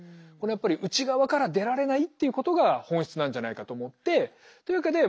やっぱり内側から出られないっていうことが本質なんじゃないかと思ってというわけで私はですね